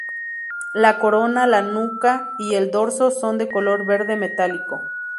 La corona, la nuca y el dorso son de color verde metálico.